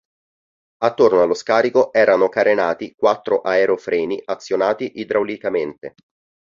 Attorno allo scarico erano carenati quattro aerofreni azionati idraulicamente.